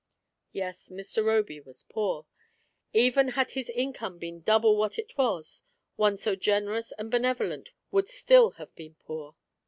Yes, Mr. Roby was poor; even had his income been double what it was, one so generous and benevolent would still have been poor.